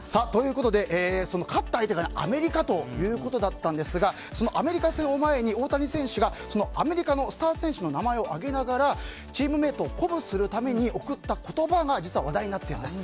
その勝った相手がアメリカということだったんですがそのアメリカ戦を前に大谷選手がアメリカのスター選手の名前を挙げながらチームメートを鼓舞するために送った言葉が実は話題になっているんです。